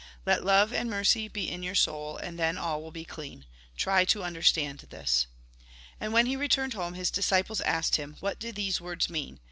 Let love and mercy be in your soul, and then all will be clean. Try to understand this." And when he returned home, his disciples asked him :" What do these words mean